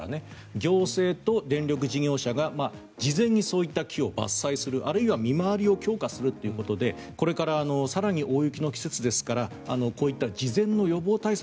行政と電力事業者が事前にそういう木を伐採するあるいは見回りを強化するということでこれから更に大雪の季節ですからこういった事前の予防対策